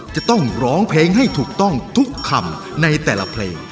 จะต้องร้องเพลงให้ถูกต้องทุกคำในแต่ละเพลง